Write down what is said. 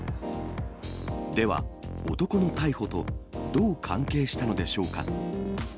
では、男の逮捕とどう関係したのでしょうか。